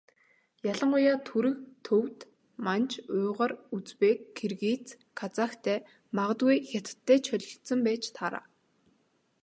Ялангуяа Түрэг, Төвөд, Манж, Уйгар, Узбек, Киргиз, Казахтай магадгүй Хятадтай ч холилдсон байж таараа.